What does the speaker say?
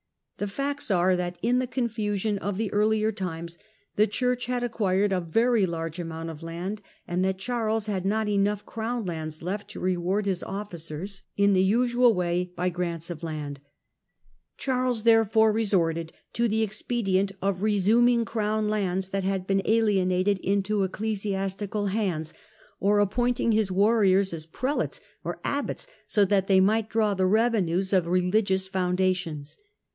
The facts are that, in the con usion of the earlier times, the Church had acquired a ery large amount of land and that Charles had not nough Crown lands left to reward his officers in the 112 THE DAWN OF MEDIAEVAL EUROPE usual way by grants of land. Charles therefore re sorted to the expedient of resuming Crown lands that had been alienated into ecclesiastical hands, or appoint ing his warriors as prelates or abbots so that they might draw the revenues of religious foundations.